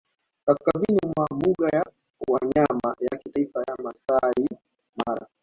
kaskazini mwa mbuga ya wanyama ya kitaifa ya Maasai Mara